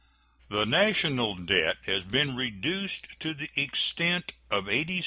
The national debt has been reduced to the extent of $86,057,126.